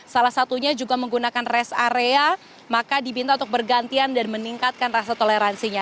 salah satunya juga menggunakan rest area maka dibinta untuk bergantian dan meningkatkan rasa toleransinya